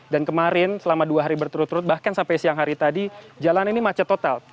dan kemarin selama dua hari berturut turut bahkan sampai siang hari tadi jalan ini macet total